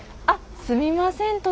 あっすみません